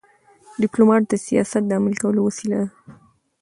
ډيپلومات د سیاست د عملي کولو وسیله ده.